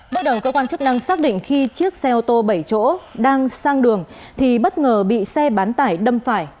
bước đầu cơ quan chức năng xác định khi chiếc xe ô tô bảy chỗ đang sang đường thì bất ngờ bị xe bán tải đâm phải